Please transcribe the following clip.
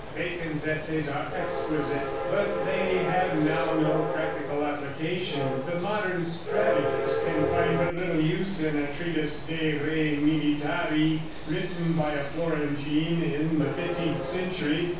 Bacon's Essays are exquisite, but they have now no practical application; the modern strategist can find but little use in a treatise De Re Militari, written by a Florentine in the fifteenth century.